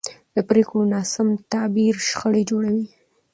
د پرېکړو ناسم تعبیر شخړې جوړوي